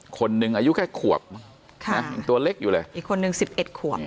คนหนึ่งอายุแค่ขวบค่ะนะตัวเล็กอยู่เลยอีกคนนึงสิบเอ็ดขวบ